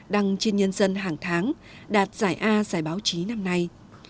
đăng trên nhân dân hàng tháng đạt giải a giải báo chí năm nay